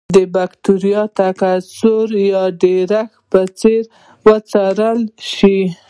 د بکټریاوو تکثر یا ډېرښت به وڅېړل شي.